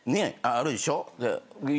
あるでしょ。